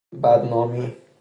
بدنامی